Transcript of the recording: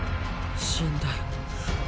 死んだよ。